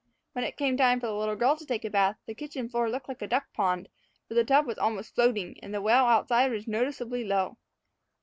When it came time for the little girl to take a bath, the kitchen floor looked like a duck pond, for the tub was almost floating, and the well outside was noticeably low.